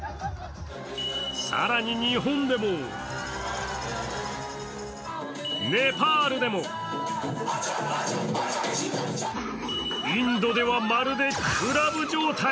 更に、日本でもネパールでもインドでは、まるでクラブ状態。